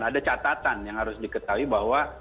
ada catatan yang harus diketahui bahwa